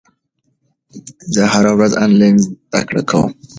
زه هره ورځ انلاین زده کړه کوم.